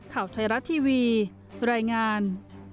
ข่าวไทยรัฐทีวีรายงาน